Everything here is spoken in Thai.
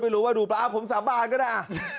หรือว่าดูปลาผมสาบานก็ได้